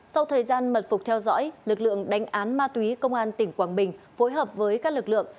sau thời gian mật phục theo dõi lực lượng đánh án ma túy công an tỉnh quảng bình phối hợp với các lực lượng